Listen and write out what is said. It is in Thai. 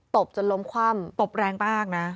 บจนล้มคว่ำตบแรงมากนะ